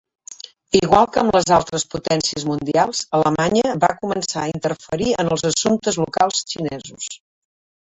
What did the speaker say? Igual que amb les altres potències mundials, Alemanya va començar a interferir en els assumptes locals xinesos.